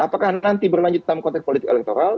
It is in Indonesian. apakah nanti berlanjut dalam konteks politik elektoral